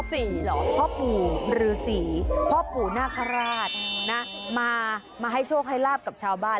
นี่ไงเออพ่อปู่หรือสีพ่อปู่หน้าขระราชนะมาให้โชคให้ลาบกับชาวบ้าน